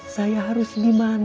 saya harus dimana